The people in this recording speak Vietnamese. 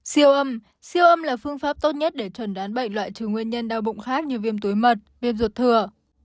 siêu âm siêu âm là phương pháp tốt nhất để chuẩn đoán bệnh loại trừ nguyên nhân đau bụng khác như viêm túi mật viêm ruột thừa